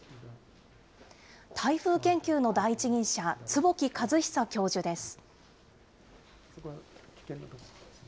台風研究の第一人者、坪木和久教授です。